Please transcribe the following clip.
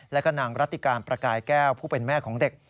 แล้วก็นางรัติการประกายแก้วผู้เป็นแม่ของเด็ก